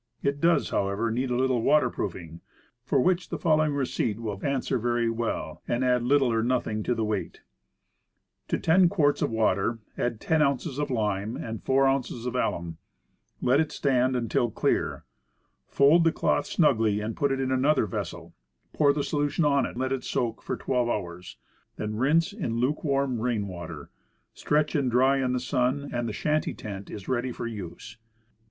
It does, however, need a little water proofing; for which the following receipt will answer very well, and add little or nothing to the weight: To 10 quarts of water add 10 ounces of lime, and 4 ounces of alum; let it stand until clear; fold the cloth snugly and put it in an other vessel, pour the solution on it, let it soak for 12 hours; then rinse in luke warm rain water, stretch and dry in the sun, and the shanty tent is ready for use.